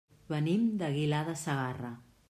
Venim d'Aguilar de Segarra.